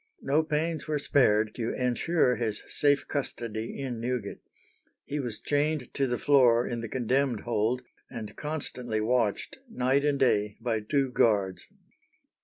No pains were spared to ensure his safe custody in Newgate. He was chained to the floor in the condemned hold, and constantly watched night and day by two guards.